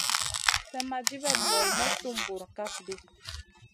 Slèmma dibèt ŋolo may tum bura kaf ɗi.